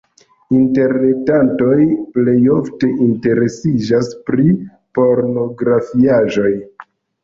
Interretantoj plej ofte interesiĝas pri pornografiaĵoj.